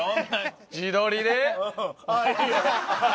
自撮りで。